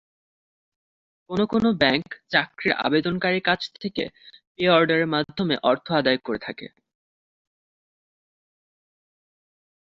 কোনো কোনো ব্যাংক চাকরির আবেদনকারীর কাছ থেকে পে-অর্ডারের মাধ্যমে অর্থ আদায় করে থাকে।